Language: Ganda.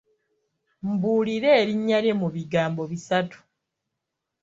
Mbuulira erinnya lye mu bigambo bisatu.